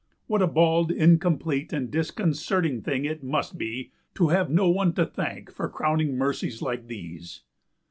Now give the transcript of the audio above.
What a bald, incomplete, and disconcerting thing it must be to have no one to thank for crowning mercies like these!